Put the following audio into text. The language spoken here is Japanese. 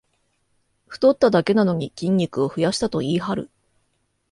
太っただけなのに筋肉を増やしたと言いはる